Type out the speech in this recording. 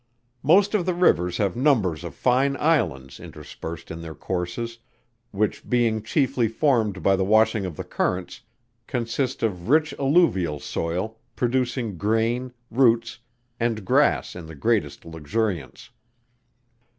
Most of the rivers have numbers of fine Islands interspersed in their courses, which being chiefly formed by the washing of the currents, consist of rich alluvial soil, producing grain, roots and grass in the greatest luxuriance.